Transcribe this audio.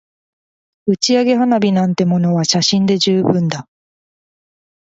打ち上げ花火なんてものは写真で十分だ